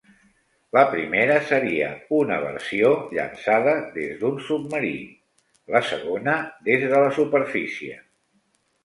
La primera seria una versió llançada des d'un submarí; la segona, des de la superfície.